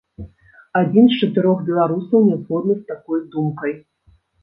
Адзін з чатырох беларусаў нязгодны з такой думкай.